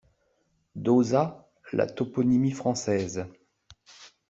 Dauzat, La toponymie française.